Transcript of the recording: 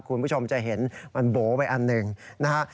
คุณผู้ชมจะเห็นมันโบ๋ไปอันหนึ่งนะฮะ